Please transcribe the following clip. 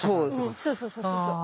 うんそうそうそうそうそう。